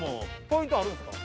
ポイントあるんですか？